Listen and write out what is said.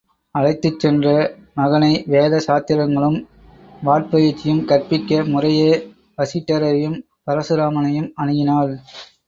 அழைத்துச் சென்ற மகனைவேத சாத்திரங்களும் வாட்பயிற்சியும் கற்பிக்க முறையே வசிட்டரையும் பரசுராமனையும் அணுகினாள்.